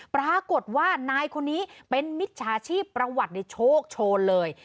ปรากฏว่านายคนนี้เป็นมิจฉาชีพประวัติในโชคโชนเลย